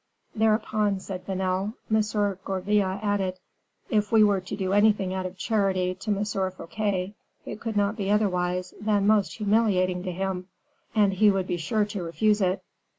"Thereupon," said Vanel, "M. Gourville added, 'If we were to do anything out of charity to M. Fouquet, it could not be otherwise than most humiliating to him; and he would be sure to refuse it.